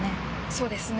そうですね。